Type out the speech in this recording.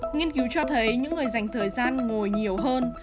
nghiên cứu cho thấy những người dành thời gian ngồi nhiều hơn